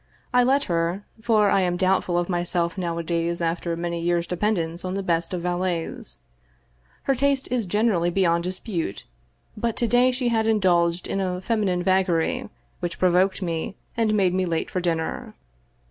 I let her, for I am doubtful of myself nowadays after many years* dependence on the best of valets. Her taste is generally beyond dispute, but to day she had indulged in a feminine vagary that provoked me and made me late for dinner.